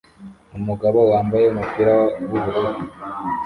Umugabo wambaye umupira wubururu